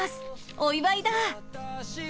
お祝いだー！